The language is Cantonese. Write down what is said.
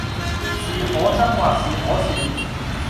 是可憎或是可笑，